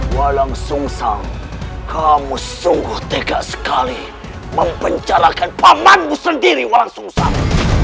walang sung sang kamu sungguh tegak sekali mempencalakan pamanmu sendiri walang sung sang